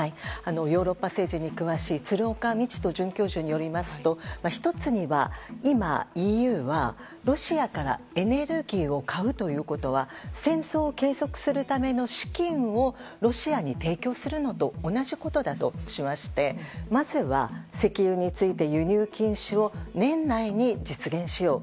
ヨーロッパ政治に詳しい鶴岡路人准教授によりますと１つには今、ＥＵはロシアからエネルギーを買うということは戦争を継続するための資金をロシアに提供するのと同じことだとしましてまずは石油について輸入禁止を年内に実現しよう。